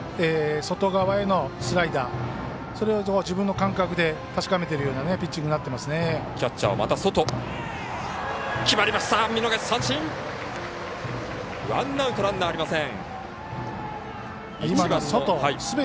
外側へのスライダーそれを自分の感覚で確かめてるようなピッチングになっていますね。